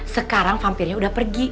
sekarang vampirnya udah pergi